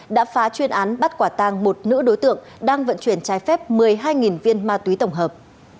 đã phá chuyên án bắt quả tang một nữ đối tượng đang vận chuyển trái phép một mươi hai viên ma túy tổng hợp